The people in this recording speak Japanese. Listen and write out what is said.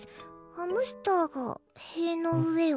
ハムスターが塀の上を？